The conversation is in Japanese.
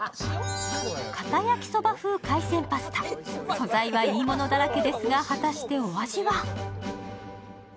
素材はいいものだらけですが、果たしてお味は？